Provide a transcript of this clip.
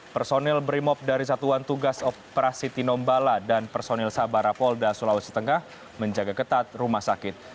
personil brimop dari satuan tugas operasi tinombala dan personil sabara polda sulawesi tengah menjaga ketat rumah sakit